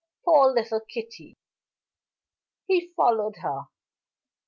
"Poor little Kitty!" He followed her.